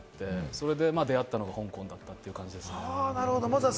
それで出会ったのが香港だったって感じです。